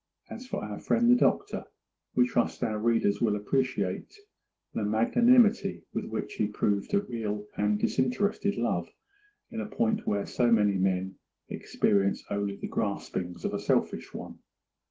As for our friend the Doctor, we trust our readers will appreciate the magnanimity with which he proved a real and disinterested love, in a point where so many men experience only the graspings of a selfish one.